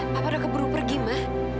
papa udah keburu pergi ma